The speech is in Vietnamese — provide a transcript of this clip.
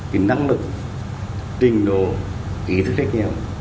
cái năng lực tình độ ý thức khác nhau